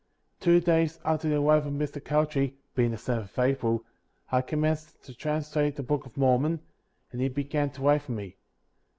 67. Two days after the arrival of Mr. Cowdery (being the 7th of April) I commenced to translate the Book of Mormon, and he began to write for me.